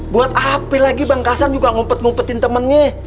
buat api lagi bang kasan juga ngumpet ngumpetin temennya